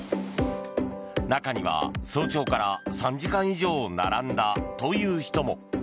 中には早朝から３時間以上並んだという人も。